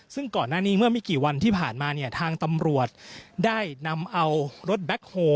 ซึ่งก่อนหน้านี้เมื่อไม่กี่วันที่ผ่านมาเนี่ยทางตำรวจได้นำเอารถแบ็คโฮล